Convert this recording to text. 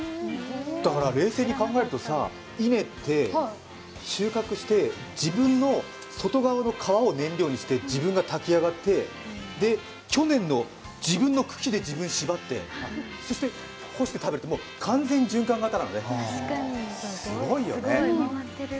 だから冷静に考えるとさ、稲って収穫して自分の外側を燃料にして自分が炊き上がって、去年の自分の茎で自分、縛ってそして干して食べるって完全循環型なのね、すごいよね。